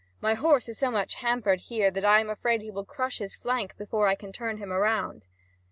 My horse is so much hampered here that I am afraid he will crush his flank before I can turn him around."